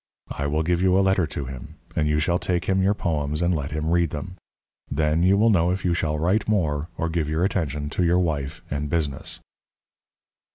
I will give you a letter to him, and you shall take him your poems and let him read them. Then you will know if you shall write more, or give your attention to your wife and business."